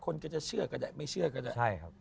คนก็จะเชื่อกันได้ไม่เชื่อกันได้